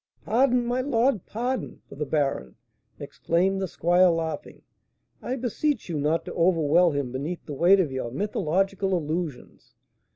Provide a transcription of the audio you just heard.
"Pardon, my lord! pardon, for the baron," exclaimed the squire, laughing. "I beseech you not to overwhelm him beneath the weight of your mythological allusions.